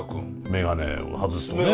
眼鏡を外すとね。